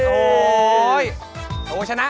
แหละทุกอย่าง